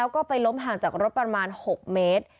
ก็ไปล้มห่างจากรถประมาณ๖เมตร